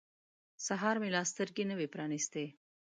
سهار مې لا سترګې نه وې پرانیستې.